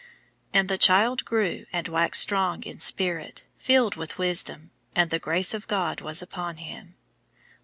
And the Child grew, and waxed strong in spirit, filled with wisdom: and the grace of God was upon him.